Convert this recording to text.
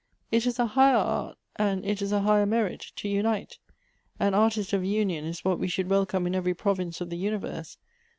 It is a higher art, and it is a higher merit, to unite. An artist of union, is what wo should welcome in every province of the universe.